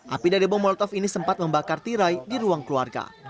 api dari bom molotov ini sempat membakar tirai di ruang keluarga